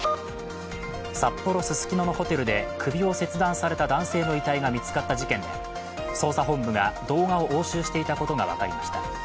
札幌・ススキノのホテルで首を切断された男性の遺体が見つかった事件で、捜査本部が動画を押収していたことが分かりました。